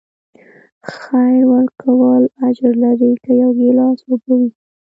خیر ورکول اجر لري، که یو ګیلاس اوبه وي.